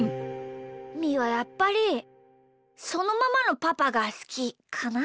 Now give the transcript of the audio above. みーはやっぱりそのままのパパがすきかな。